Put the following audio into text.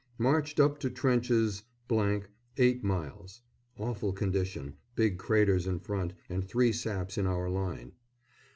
_ Marched up to trenches, , eight miles. Awful condition. Big craters in front, and three saps in our line.